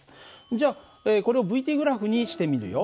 じゃこれをυ−ｔグラフにしてみるよ。